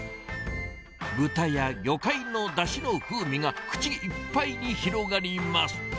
豚や魚介のだしの風味が口いっぱいに広がります。